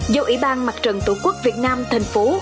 do ủy ban mặt trận tổ quốc việt nam thành phố